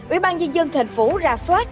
ủy ban dân dân thành phố ra soát